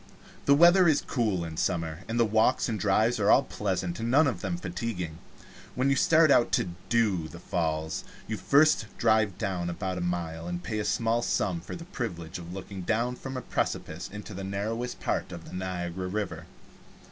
The weather is cool in summer, and the walks and drives are all pleasant and none of them fatiguing. When you start out to "do" the Falls you first drive down about a mile, and pay a small sum for the privilege of looking down from a precipice into the narrowest part of the Niagara River.